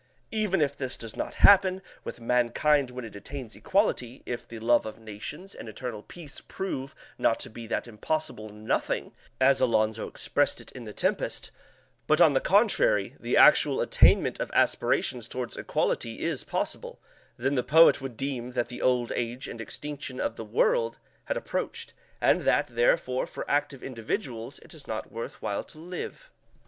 Even if this does not happen with mankind when it attains equality if the love of nations and eternal peace prove not to be that impossible "nothing," as Alonso expressed it in "The Tempest" but if, on the contrary, the actual attainment of aspirations toward equality is possible, then the poet would deem that the old age and extinction of the world had approached, and that, therefore, for active individuals, it is not worth while to live (pp.